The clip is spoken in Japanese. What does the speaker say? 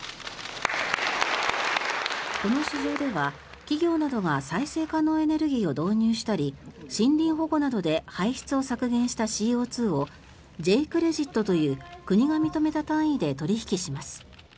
この市場では企業などが再生可能エネルギーを導入したり森林保護などで排出を削減したＣＯ２をＪ−クレジットという国が認めた単位で取引します。